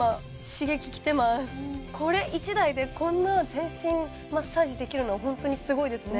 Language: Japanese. これ１台でこんな全身マッサージできるのはホントにすごいですね